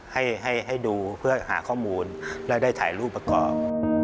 ให้ให้ดูเพื่อหาข้อมูลและได้ถ่ายรูปประกอบ